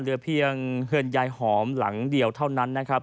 เหลือเพียงเหินยายหอมหลังเดียวเท่านั้นนะครับ